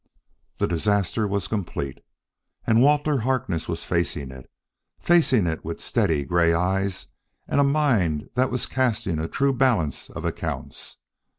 The disaster was complete, and Walter Harkness was facing it facing it with steady gray eyes and a mind that was casting a true balance of accounts.